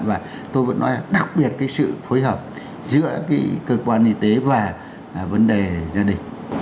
và tôi vẫn nói là đặc biệt cái sự phối hợp giữa cái cơ quan y tế và vấn đề gia đình